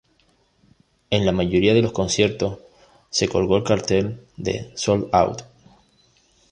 En la mayoría de los conciertos se colgó el cartel de "Sold Out".